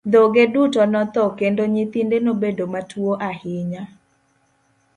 Dhoge duto notho, kendo nyithinde nobedo matuwo ahinya.